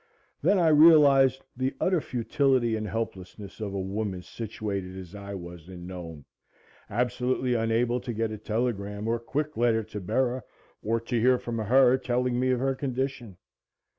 Then I realized the utter futility and helplessness of a woman situated as I was in Nome, absolutely unable to get a telegram or quick letter to Bera or to hear from her telling me of her condition.